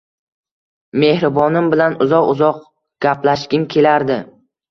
Mehribonim bilan uzoq-uzoq gaplashgim kelardi